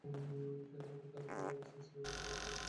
সেখানে অন্তরীণ থাকা অবস্থায় শ্রীরামকৃষ্ণ অনাথ আশ্রমে মারা যান।